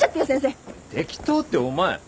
適当ってお前。